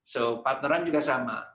so partneran juga sama